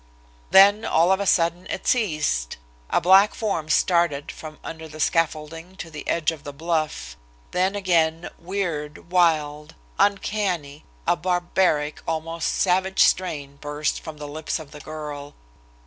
Then, all on a sudden, it ceased. A black form started from under the scaffolding to the edge of the bluff. Then again, weird, wild, uncanny, a barbaric, almost savage strain burst from the lips of the girl.